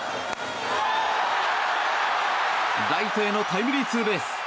ライトへのタイムリーツーベース。